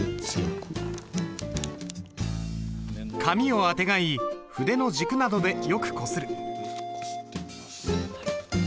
紙をあてがい筆の軸などでよくこする。